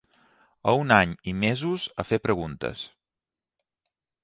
A un any i mesos a fer preguntes